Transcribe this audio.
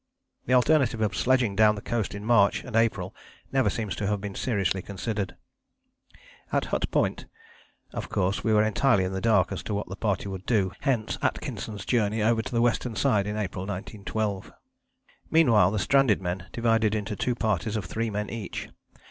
The alternative of sledging down the coast in March and April never seems to have been seriously considered. At Hut Point, of course, we were entirely in the dark as to what the party would do, hence Atkinson's journey over to the western side in April 1912. Meanwhile the stranded men divided into two parties of three men each.